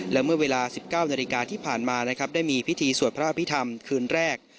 และเมื่อเวลา๑๙นาฬิกาที่ผ่านมานะครับได้มีพิธีสวดพระอภิษฐรรมคืนแรก